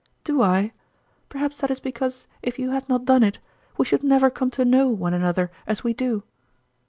"Do I? Perhaps that is because if you had not done it, we should never come to know one another as we do